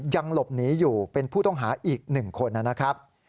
ยังหลบหนีอยู่เป็นผู้ต้องหาอีก๑คนนะครับ